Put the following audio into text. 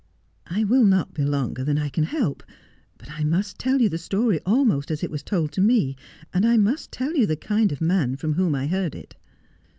' I will not be longer than I can help, but I must tell you the story almost as it was told to me, and I must tell you the kind of man from whom I heard it.'